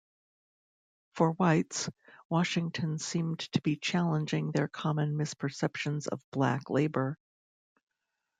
For whites, Washington seemed to be challenging their common misperceptions of black labor.